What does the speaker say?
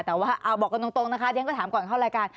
แต่ว่าเอาบอกกันตรงนะคะเรียนก็ถามก่อนเข้ารายการ